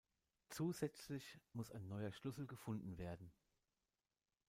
Zusätzlich muss ein neuer Schlüssel gefunden werden.